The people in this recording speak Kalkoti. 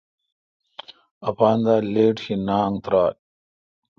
اپان دا لیٹ شینانگ ترال